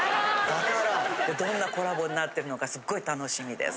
どんなコラボになってるのかすっごい楽しみです。